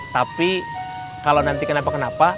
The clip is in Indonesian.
tapi kalau nanti kenapa kenapa